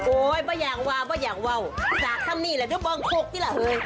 โอ้ยบ่อย่างว่าบ่อย่างว่าสักคำนี้แหละด้วยบองโคกนี่แหละเฮ้ย